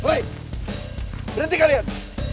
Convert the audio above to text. oi berhenti kalian